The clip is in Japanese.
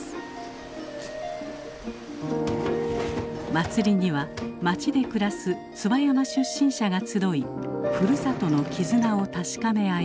祭りには町で暮らす椿山出身者が集いふるさとの絆を確かめ合います。